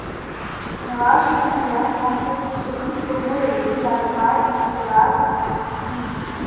نواز Sharif Riyadh conference میں شریک تو ہوئے لیکن تعلقات میں دراڑ پڑ چکی تھی۔